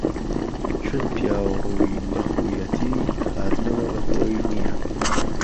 چون پیاو ڕويين به خويەتی هاتنهوه به خۆی نییه